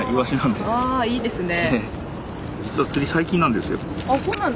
ああいいですね。